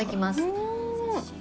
うん！